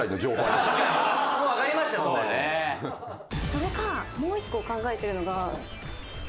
それかもう一個考えてるのが。